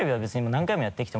何回もやってきた？